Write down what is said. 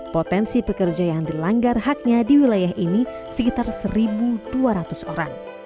potensi pekerja yang dilanggar haknya di wilayah ini sekitar satu dua ratus orang